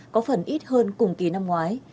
có phần ít hơn cùng kỳ năm ngoái